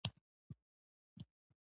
ورکړ چې زما مور ته يې ورکړي.